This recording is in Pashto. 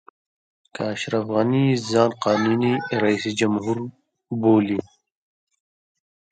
که اشرف غني ځان قانوني جمهور رئیس بولي.